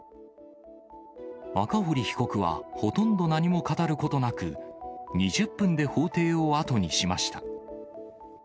赤堀被告は、ほとんど何も語ることなく、２０分で法廷を後にしました。